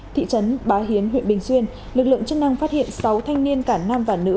thị trấn bá hiến huyện bình xuyên lực lượng chức năng phát hiện sáu thanh niên cả nam và nữ